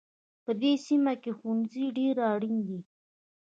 په دې سیمه کې ښوونځی ډېر اړین دی